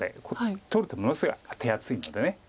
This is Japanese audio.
取る手ものすごい手厚いので。